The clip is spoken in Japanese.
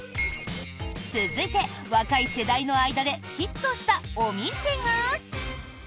続いて、若い世代の間でヒットしたお店が。